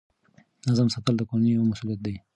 نظم ساتل د کورنۍ یوه مسؤلیت ده.